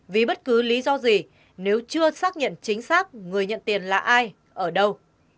vì bất cứ lý do gì nếu chưa xác nhận chính xác người nhận tiền là ai ở đâu